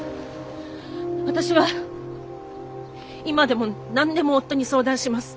私は今でも何でも夫に相談します。